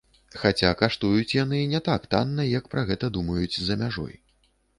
Хаця каштуюць яны не так танна, як пра гэта думаюць за мяжой.